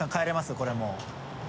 これもう。